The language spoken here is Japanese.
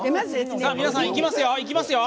皆さん、いきますよ